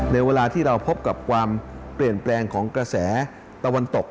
เวลาที่เราพบกับความเปลี่ยนแปลงของกระแสตะวันตก